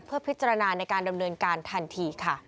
เพื่อพิจารณาในการดำเนินการทันทีค่ะ